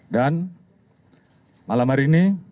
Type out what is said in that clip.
dan malam hari ini